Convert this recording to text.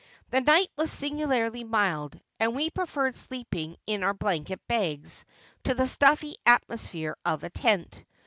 ' The night was singularly mild, and we preferred sleeping in our blanket bags to the stuffy atmosphere of a tent.